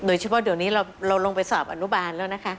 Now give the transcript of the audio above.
โดยเฉพาะเดี๋ยวนี้เราลงไปสอบอนุบาลแล้วนะคะ